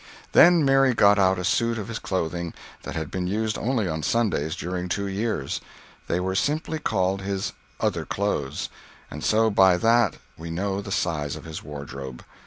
] Then Mary got out a suit of his clothing that had been used only on Sundays during two years—they were simply called his "other clothes"—and so by that we know the size of his wardrobe.